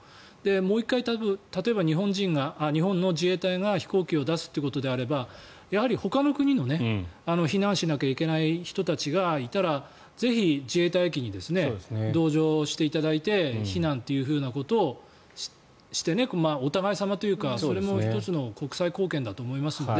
もう１回、例えば日本の自衛隊が飛行機を出すということであればやはりほかの国の避難しなきゃいけない人たちがいたらぜひ自衛隊機に同乗していただいて避難ということをしてお互い様というかそれも１つの国際貢献だと思いますので。